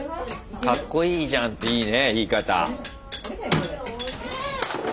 「かっこいいじゃん」っていいね言い方。